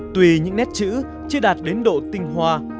tùy những nét chữ chưa đạt đến độ tinh hoa